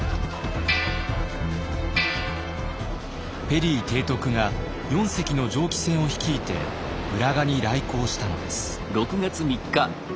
ペリー提督が４隻の蒸気船を率いて浦賀に来航したのです。